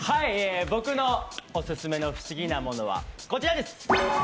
僕のオススメの不思議なものはこちらです。